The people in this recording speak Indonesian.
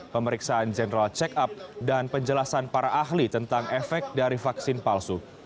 pemeriksaan general check up dan penjelasan para ahli tentang efek dari vaksin palsu